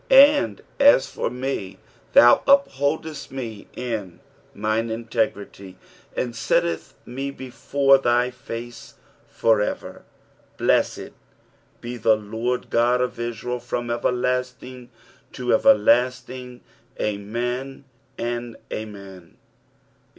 12 And as for me, thou upholdest me in mine integrity, and settest me before thy face for ever. 13 Blessed de the LORD God of Israel from everlasting, and to everlasting. Amen and Amen. 11.